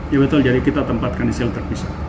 ya betul jadi kita tempatkan di shelter pisau